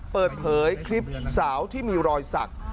เปิดเผยคลิปสาวที่มีรอยสัก